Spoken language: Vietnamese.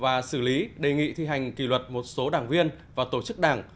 và xử lý đề nghị thi hành kỷ luật một số đảng viên và tổ chức đảng